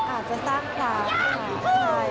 อาจจะสร้างความหลาย